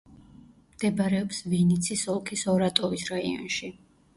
მდებარეობს ვინიცის ოლქის ორატოვის რაიონში.